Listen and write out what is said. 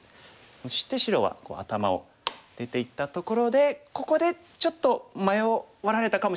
そして白は頭を出ていったところでここでちょっと迷われたかもしれないです。